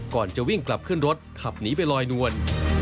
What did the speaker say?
ก่อนจะวิ่งกลับขึ้นรถขับหนีไปลอยนวล